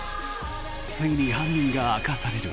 ついに犯人が明かされる。